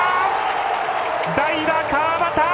代打、川端！